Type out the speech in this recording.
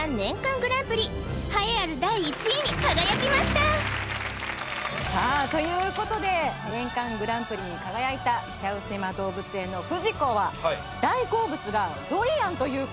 グランプリ栄えある第１位に輝きましたさあということで年間グランプリに輝いた茶臼山動物園のフジコはドリアン？